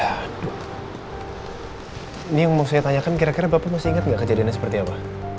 aduh ini yang mau saya tanyakan kira kira bapak masih ingat nggak kejadiannya seperti apa